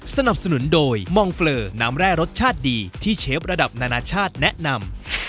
สนับสนุนโดยมองเฟลอน้ำแร่รสชาติดีที่เชฟระดับนานาชาติแนะนำ